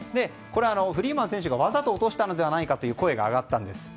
フリーマン選手がわざと落としたのではないかという声が上がったんです。